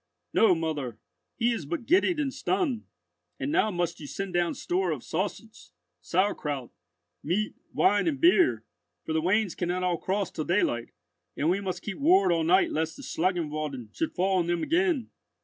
"No, mother, he is but giddied and stunned, and now must you send down store of sausage, sourkraut, meat, wine, and beer; for the wains cannot all cross till daylight, and we must keep ward all night lest the Schlangenwalden should fall on them again.